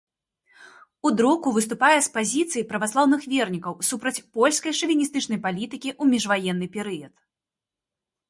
У друку выступае з пазіцый праваслаўных вернікаў, супраць польскай шавіністычнай палітыкі ў міжваенны перыяд.